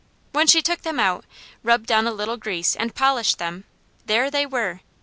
When she took them out, rubbed on a little grease and polished them there they were!